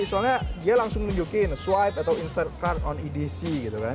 soalnya dia langsung nunjukin swipe atau insert card on edc gitu kan